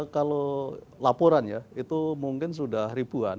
kalau laporan ya itu mungkin sudah ribuan